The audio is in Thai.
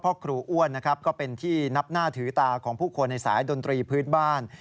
ครูอ้วนนะครับก็เป็นที่นับหน้าถือตาของผู้คนในสายดนตรีพื้นบ้าน